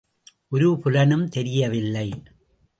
ஒரு புலனுந் தெரியவில்லை.